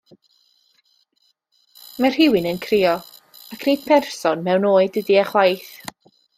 Mae rhywun yn crio, ac nid person mewn oed ydi e chwaith.